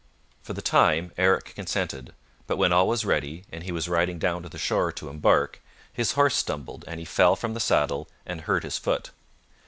For the time, Eric consented, but when all was ready, and he was riding down to the shore to embark, his horse stumbled and he fell from the saddle and hurt his foot.